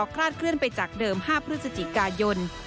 คลาดเคลื่อนไปจากเดิม๕พฤศจิกายน